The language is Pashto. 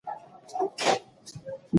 که زغم وي نو جنګ نه کیږي.